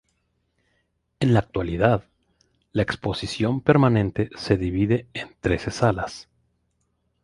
En la actualidad, la exposición permanente se divide en trece salas.